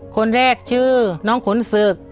คนแรกชื่อน้องขุนศึก